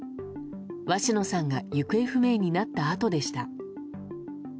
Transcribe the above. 鷲野さんが行方不明になったあとでした。